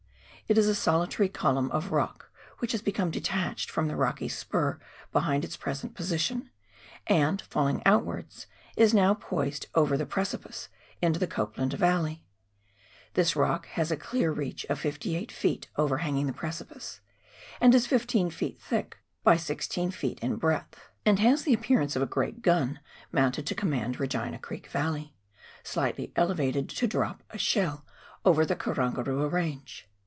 It is a solitary column of rock which has become detached from the rocky spur behind its present position, and, falling outwards, is now poised over the precipice into the Copland Valley. This rock has a clear reach of 58 ft. overhanging the precipice, and is 15 ft. thick by 16 ft. in breadth, and has the appearance of a ^n i4 •\ ^wi_«,r' V^ J^jt :.*;!.^.. v COPLAND RIVER AND GENERAL WORK, 293 great gun mounted to command Regina Creek Yalley, slightly elevated to drop a shell over the Karangarua Eange.